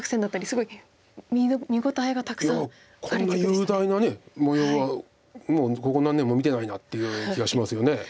こんな雄大な模様はもうここ何年も見てないなっていうような気がしますよね。